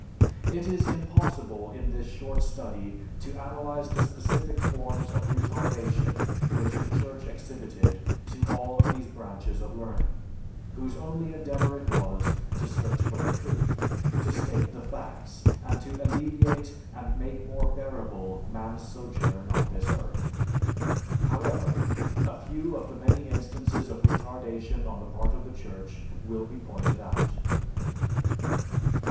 It is impossible in this short study to analyze the specific forms of retardation which the Church exhibited to all of these branches of learning, whose only endeavor it was to search for the truth, to state the facts, and to alleviate and make more bearable man's sojourn on this earth. However, a few of the many instances of retardation on the part of the Church will be pointed out.